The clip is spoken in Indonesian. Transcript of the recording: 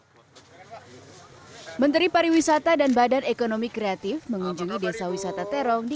hai menteri pariwisata dan badan ekonomi kreatif mengunjungi desa wisata terong di